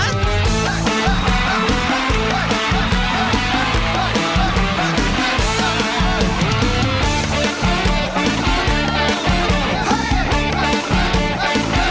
อปตมหาสนุก